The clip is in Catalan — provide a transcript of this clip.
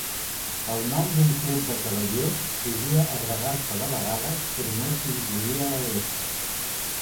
El nom d'un club de cavallers podia agregar-se de vegades, però no s'incloïa l'adreça.